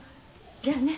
じゃあね。